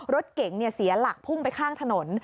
รถเก๋งเสียหลักพุ่งไปข้างถนน